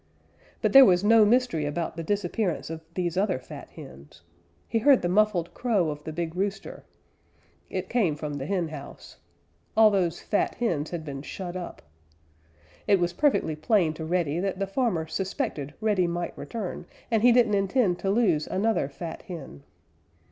But there was no mystery about the disappearance of these other fat hens. He heard the muffled crow of the big rooster. It came from the henhouse. All those fat hens had been shut up. It was perfectly plain to Reddy that the farmer suspected Reddy might return, and he didn't intend to lose another fat hen.